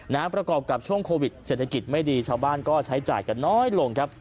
ประกอบกับช่วงโควิดเศรษฐกิจไม่ดีชาวบ้านก็ใช้จ่ายกันน้อยลงครับ